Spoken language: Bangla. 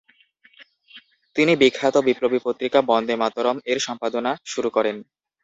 তিনি বিখ্যাত বিপ্লবী পত্রিকা " বন্দে মাতরম" এর সম্পাদনা শুরু করেন।